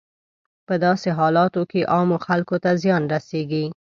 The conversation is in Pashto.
په داسې حالاتو کې عامو خلکو ته زیان رسیږي.